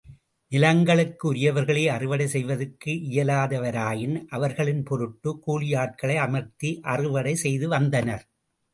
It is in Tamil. நிலங்களுக்கு உரியவர்களே அறுவடை செய்வதற்கு இயலாதவராயின் அவர்களின் பொருட்டுக் கூலியாட்களை அமர்த்தி அறுவடை செய்து வந்தனர்.